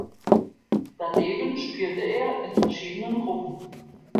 Daneben spielte er in verschiedenen Gruppen.